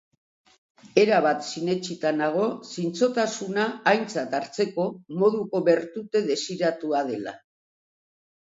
Erabat sinetsita nago zintzotasuna aintzat hartzeko moduko bertute desiratua dela.